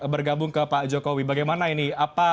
bergabung ke pak jokowi bagaimana ini